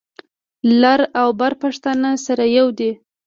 لر او بر پښتانه سره یو دي.